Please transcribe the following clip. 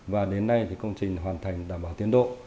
và đến nay thì công trình hoàn thành đảm bảo tiến độ